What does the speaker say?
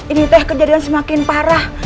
ini teh kejadian semakin parah